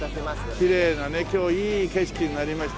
きれいなね今日いい景色になりましたわ。